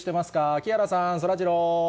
木原さん、そらジロー。